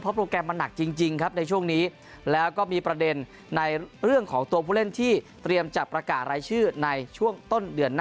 โปรแกรมมันหนักจริงครับในช่วงนี้แล้วก็มีประเด็นในเรื่องของตัวผู้เล่นที่เตรียมจะประกาศรายชื่อในช่วงต้นเดือนหน้า